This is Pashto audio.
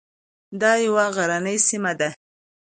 دا یوه غرنۍ سیمه ده.